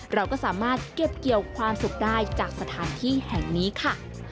เราก็สามารถเก็บเกี่ยวความสุขได้จากสถานที่แห่งนี้ค่ะ